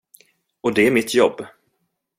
Och det är mitt jobb.